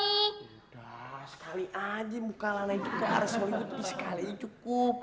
udah sekali aja muka lana juga harus meliputi sekali ini cukup